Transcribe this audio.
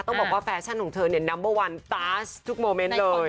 ต้องบอกว่าแฟชั่นของเธอเนี่ยนัมเบอร์วันตาสทุกโมเมนต์เลย